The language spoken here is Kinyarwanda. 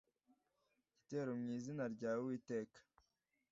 gitero mu izina ryawe Uwiteka